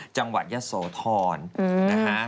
จังหวัดยสทนห์